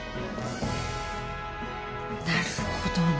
なるほどね。